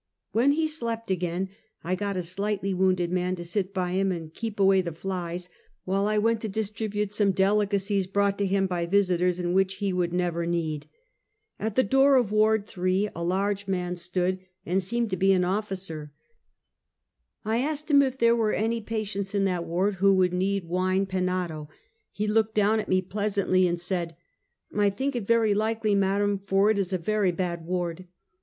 When he slept again, I got a slightly wounded man to sit by him and keep away the flies, while I went to distribute some delicacies brought to him by visitors, and which he would never need. At the door of Ward Three, a large man stood, and 248 Half a Centukt. seemed to be an officer. I asked him if tliere were any patients in that ward who would need wine penado. He looked down at me, pleasantly, and said: " I think it very likely, madam, for it is a very bad ward."